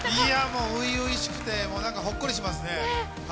もう初々しくて、ほっこりしますね。